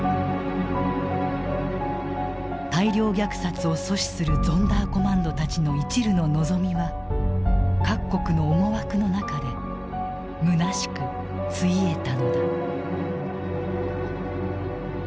大量虐殺を阻止するゾンダーコマンドたちの一縷の望みは各国の思惑の中でむなしくついえたのだ。